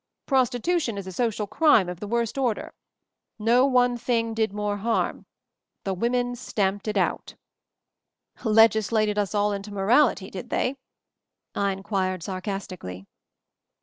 Prostitution is a social crime of the worst order. No one thing did more harm. The women stamped it out." 113 MOVING THE MOUNTAIN m "Legislated us all into morality, did they?" I inquired sarcastically.